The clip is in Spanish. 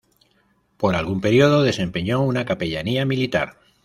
Por algún período desempeñó una capellanía militar.